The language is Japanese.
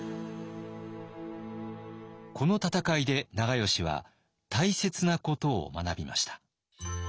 この戦いで長慶は大切なことを学びました。